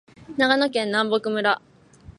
長野県南牧村